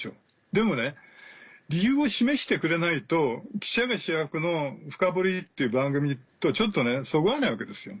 でも理由を示してくれないと記者が主役の『フカボリ』っていう番組とちょっとそぐわないわけですよ。